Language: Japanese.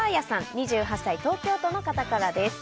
２８歳、東京都の方からです。